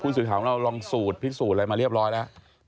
สื่อข่าวของเราลองสูตรพิสูจน์อะไรมาเรียบร้อยแล้ว